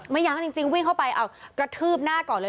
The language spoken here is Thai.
ยั้งจริงวิ่งเข้าไปเอากระทืบหน้าก่อนเลย